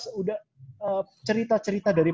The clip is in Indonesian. sudah cerita cerita dari